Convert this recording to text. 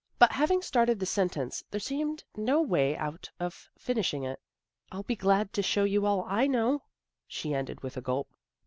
But having started the sentence there seemed no way out of finishing it. " I'll be glad to show you all I know," she ended with a gulp.